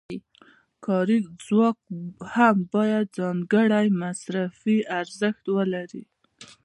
کاري ځواک هم باید ځانګړی مصرفي ارزښت ولري